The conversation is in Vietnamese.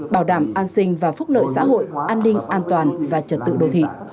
bảo đảm an sinh và phúc lợi xã hội an ninh an toàn và trật tự đô thị